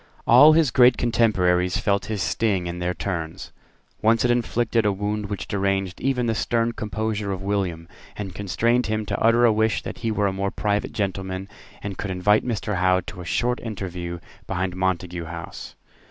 All his great contemporaries felt his sting in their turns. Once it inflicted a wound which deranged even the stern composure of William, and constrained him to utter a wish that he were a private gentleman, and could invite Mr. Howe to a short interview behind Montague House.